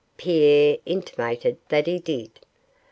Pierre intimated that he did.